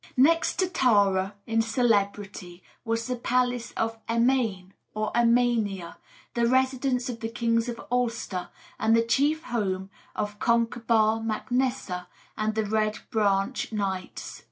Next to Tara in celebrity was the palace of Emain or Emania, the residence of the kings of Ulster, and the chief home of Concobar Mac Nessa and the Red Branch Knights.